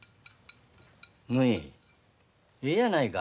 ぬひええやないか。